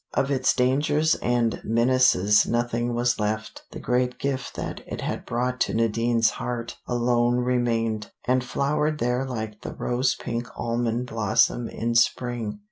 Of its dangers and menaces nothing was left; the great gift that it had brought to Nadine's heart alone remained, and flowered there like the rose pink almond blossom in spring.